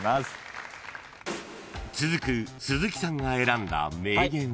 ［続く鈴木さんが選んだ名言は］